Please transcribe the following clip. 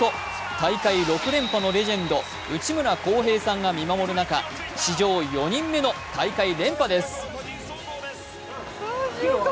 大会６連覇のレジェンド、内村航平さんが見守る中、史上４人目の大会連覇です。